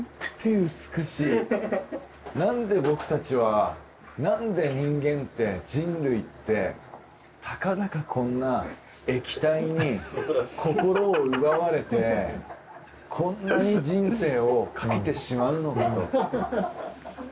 何で僕たちは何で人間って人類ってたかだかこんな液体に心を奪われてこんなに人生を懸けてしまうのかと。